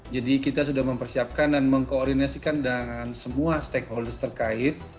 jadi kita sudah mempersiapkan dan mengkoordinasikan dengan semua stakeholders terkait